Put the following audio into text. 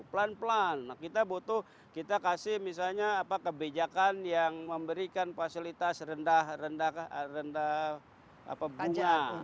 pelan pelan kita butuh kita kasih misalnya kebijakan yang memberikan fasilitas rendah rendah bunga